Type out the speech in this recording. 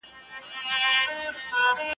دواړه بايد د يو بل د اصلاح کوښښ وکړي.